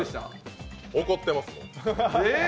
怒ってますよ。